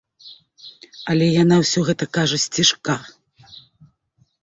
Але яна ўсё гэта кажа сцішка.